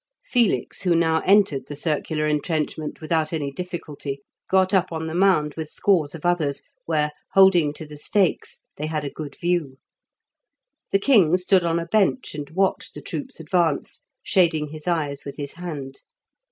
Felix, who now entered the circular entrenchment without any difficulty, got up on the mound with scores of others, where, holding to the stakes, they had a good view. The king stood on a bench and watched the troops advance, shading his eyes with his hand.